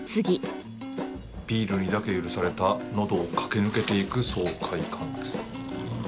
ビールにだけ許された喉を駆け抜けていく爽快感です。